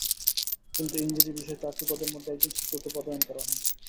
কিন্তু ইংরেজি বিষয়ে চারটি পদের মধ্যে একজন শিক্ষককে পদায়ন করা হয়।